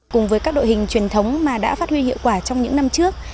cùng với các đội hình truyền thống mà đã phát huy hiệu quả trong những năm trước